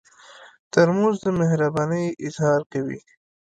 ترموز د مهربانۍ اظهار کوي.